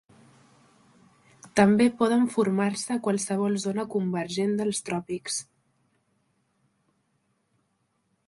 També poden formar-se a qualsevol zona convergent dels tròpics.